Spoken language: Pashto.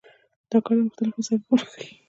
دا کار د مختلفو وسایلو په مرسته کیږي.